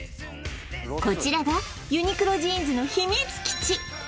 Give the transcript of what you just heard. こちらがユニクロジーンズの秘密基地